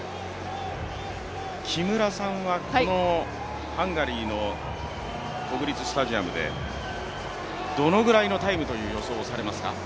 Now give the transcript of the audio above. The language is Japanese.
木村さんはハンガリーの国立スタジアムでどのぐらいのタイムという予想をされますか？